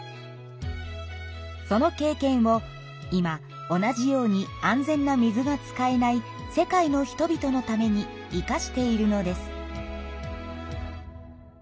その経験を今同じように安全な水が使えない世界の人々のために生かしているのです。